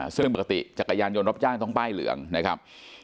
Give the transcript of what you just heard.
ซึ่งปกติจักรยานยนต์รับจ้างต้องป้ายเหลืองนะครับ